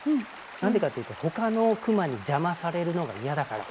なんでかっていうと他のクマに邪魔されるのがイヤだから。